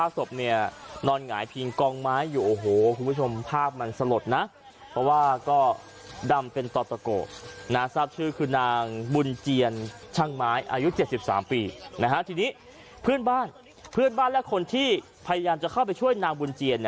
ที่แต่ยังสภาพศพเนี่ยนอนหงายผิงกองไม้อยู่โอ้โห